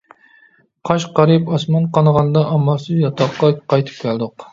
قاش قارىيىپ ئاسمان قانىغاندا ئامالسىز ياتاققا قايتىپ كەلدۇق.